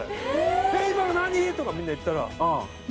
「今の何！？」とかみんな言ってたら。